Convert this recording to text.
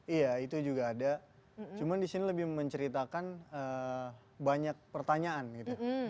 iya itu juga ada cuman disini lebih menceritakan banyak pertanyaan gitu